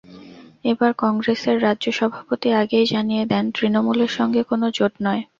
এবার কংগ্রেসের রাজ্য সভাপতি আগেই জানিয়ে দেন, তৃণমূলের সঙ্গে কোনো জোট নয়।